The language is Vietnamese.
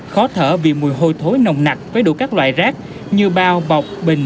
khó thở vì mùi hôi thối nồng nặc với đủ các loại rác như bao bọc bình